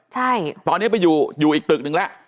ใช่ตอนนี้ไปอยู่อยู่อีกตึกนึงแล้ว